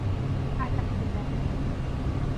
أعتقد ذلك.